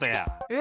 え！